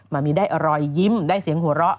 มันมีได้รอยยิ้มได้เสียงหัวเราะ